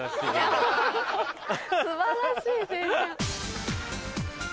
素晴らしい青春。